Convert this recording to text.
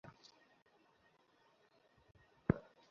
Boleslaw স্ক্লদভস্কিকে লেখাপড়া শিখিয়েছিলেন